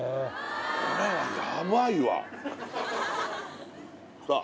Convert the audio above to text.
これはヤバいわさあ